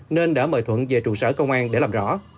nên đã mời thuận về trụ sở công an để làm rõ